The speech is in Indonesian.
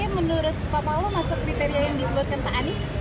mas ahi menurut pak paloh masuk kriteria yang disebutkan pak anies